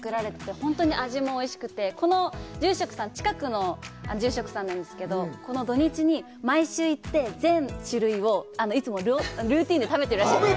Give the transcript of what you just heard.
本当に味もおいしくて、この住職さん、近くの住職さんなんですけど、この土・日に毎週、行って、全種類をいつもルーティンで食べているらしいです。